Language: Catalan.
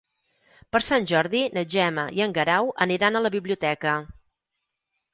Per Sant Jordi na Gemma i en Guerau aniran a la biblioteca.